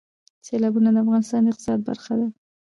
سیلابونه د افغانستان د اقتصاد برخه ده.